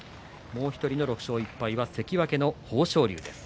もう１人の６勝１敗、関脇の豊昇龍です。